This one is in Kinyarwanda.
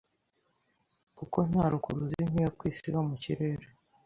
kuko nta rukuruzi nk’iyo ku isi iba mu kirere